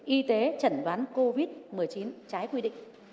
y tế chẩn đoán covid một mươi chín trái quy định